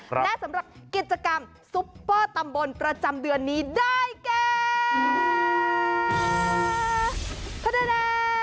และสำหรับกิจกรรมซุปเปอร์ตำบลประจำเดือนนี้ได้แก่